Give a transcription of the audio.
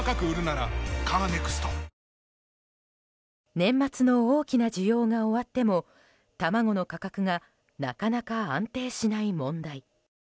年末の大きな需要が終わっても卵の価格がなかなか安定しない問題。